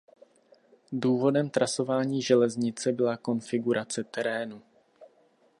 Důvodem trasování železnice byla konfigurace terénu.